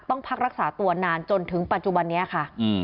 พักรักษาตัวนานจนถึงปัจจุบันนี้ค่ะ